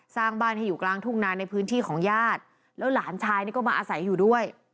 สร้างบ้านให้อยู่กลางทุ่งนาในพื้นที่ของญาติแล้วหลานชายนี่ก็มาอาศัยอยู่ด้วย